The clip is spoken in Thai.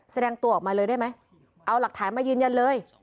แสดงตัวออกมาเลยได้ไหมเอาหลักฐานมายืนยันเลย